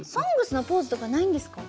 「ＳＯＮＧＳ」のポーズとかないんですか？